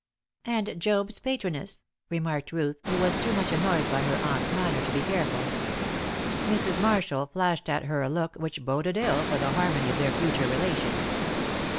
"And Job's patroness," remarked Ruth, who was too much annoyed by her aunt's manner to be careful. Mrs. Marshall flashed at her a look which boded ill for the harmony of their future relations.